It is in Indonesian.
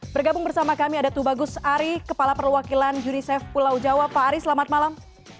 bergabung bersama kami ada tubagus ari kepala perwakilan unicef pulau jawa pak ari selamat malam